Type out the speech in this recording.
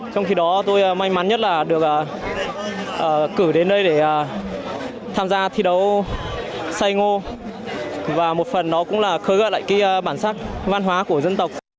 trong khi đó tôi may mắn nhất là được cử đến đây để tham gia thi đấu say ngô và một phần nó cũng là khơi gợi lại cái bản sắc văn hóa của dân tộc